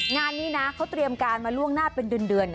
งานนี้นะเขาเตรียมการมาล่วงหน้าเป็นเดือน